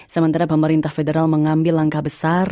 sementara pemerintah federal mengambil langkah besar